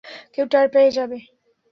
কেউ ট্যার পেয়ে যাবে।